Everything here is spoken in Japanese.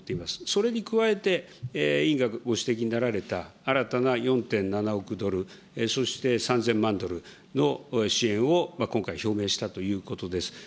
それに加えて、委員がご指摘になられた新たな４．７億ドル、そして３０００万ドルの支援を今回、表明したということです。